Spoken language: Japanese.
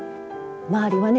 周りはね